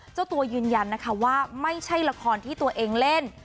เจ้าตัวยืนยันนะคะว่าไม่ใช่ละครที่ตัวเองเล่น